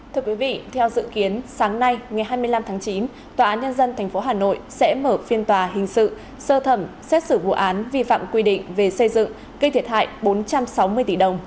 thưa quý vị theo dự kiến sáng nay ngày hai mươi năm tháng chín tòa án nhân dân tp hà nội sẽ mở phiên tòa hình sự sơ thẩm xét xử vụ án vi phạm quy định về xây dựng gây thiệt hại bốn trăm sáu mươi tỷ đồng